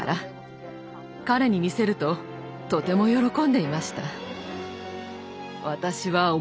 彼に見せるととても喜んでいました。